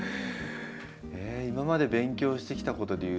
今まで勉強してきたことでいうと。